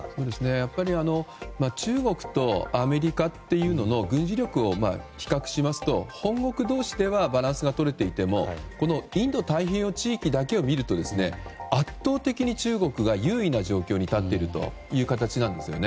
やっぱり中国とアメリカの軍事力を比較しますと本国同士でバランスがとれていてもインド太平洋地域だけを見ると圧倒的に中国が優位な状況に立っている形なんですよね。